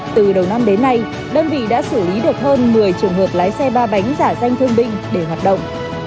từ đầu năm đến nay đơn vị đã xử lý được hơn một mươi trường hợp lái xe ba bánh giả danh thương binh để hoạt động